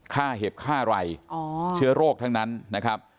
ฆ่าเห็บฆ่าไรอ๋อเชื้อโรคทั้งนั้นนะครับ